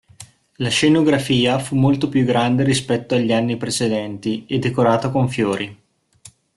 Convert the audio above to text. La scenografia fu molto più grande rispetto agli anni precedenti e decorata con fiori.